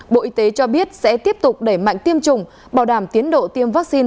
bộ y tế cho biết sẽ tiếp tục đẩy mạnh tiêm chủng bảo đảm tiến độ tiêm vaccine